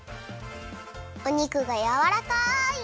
お肉がやわらかい！